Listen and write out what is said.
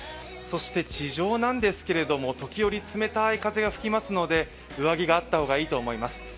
地上ですが、時折冷たい風が吹きますので、上着があった方がいいと思います。